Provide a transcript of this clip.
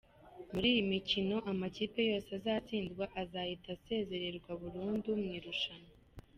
Muri iyi mikino, amakipe yose azatsindwa azahita asezererwa burundu mu irushanwa.